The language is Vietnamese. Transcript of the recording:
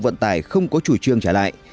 vận tải không có chủ trương trả lại